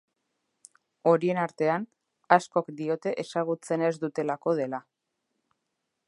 Horien artean, askok diote ezagutzen ez dutelako dela.